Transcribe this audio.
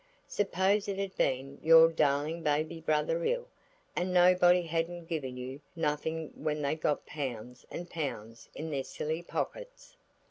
Suppose it had been your darling baby brother ill, and nobody hadn't given you nothing when they'd got pounds and pounds in their silly pockets?"